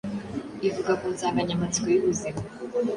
ivuga ku nsanganyamatsiko y’ubuzima.